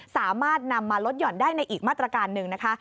สามารถนำมาลดหย่อนได้ในอีกมาตรการหนึ่งนะคะ